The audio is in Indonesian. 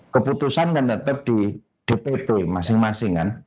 keputusan kan tetap di dpp masing masing kan